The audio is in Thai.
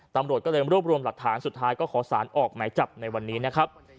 ตำรวจก็เลยรวบรวมหลักฐานสุดท้ายก็ขอสารออกหมายจับในวันนี้นะครับ